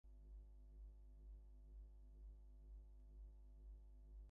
The most notable being Mrs. Gus's Doughboy and ChowderHouse.